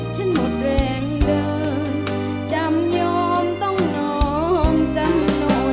ฉันหมดแรงเดินจำยอมต้องนองจำนวน